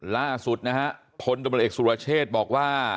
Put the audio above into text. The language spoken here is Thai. ล่าสุดนะฮะพลตำรวจเอกสุรเชษบอกว่า